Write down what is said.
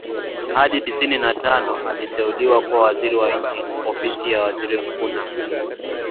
hadi tisini na tano aliteuliwa kuwa Waziri wa Nchi Ofisi ya Waziri Mkuu na